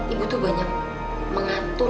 ibu tuh banyak mengatur